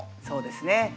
そうですね。